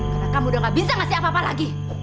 karena kamu udah gak bisa ngasih apa apa lagi